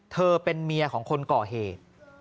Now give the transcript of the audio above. เธอเป็นเมียของคนก่อเหตุ